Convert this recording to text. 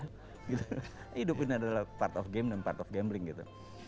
hidup ini adalah part of game dan part of gambling gitu